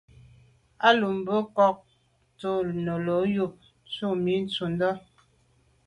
À lo mbe nkôg à to’ nelo’ yub ntum yi ntshundà.